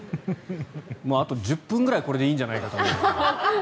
あと１０分ぐらいこれでいいんじゃないかと。